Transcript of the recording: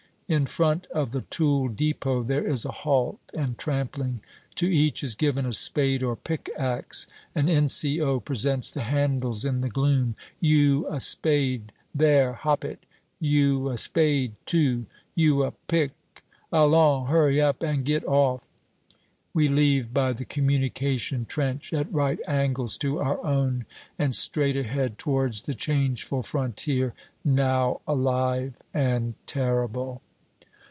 In front of the tool depot there is a halt and trampling. To each is given a spade or pickax. An N.C.O. presents the handles in the gloom: "You, a spade; there, hop it! You a spade, too; you a pick. Allons, hurry up and get off." We leave by the communication trench at right angles to our own, and straight ahead towards the changeful frontier, now alive and terrible.